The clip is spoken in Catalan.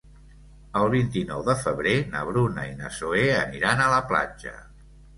El vint-i-nou de febrer na Bruna i na Zoè aniran a la platja.